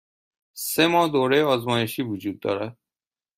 سه ماه دوره آزمایشی وجود دارد.